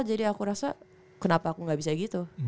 jadi aku rasa kenapa aku gak bisa gitu